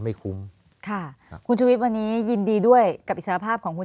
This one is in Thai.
ไม่คุ้มค่ะครับคุณชุวิตวันนี้ยินดีด้วยกับอิสรภาพของคุณ